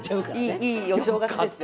いいお正月ですよ。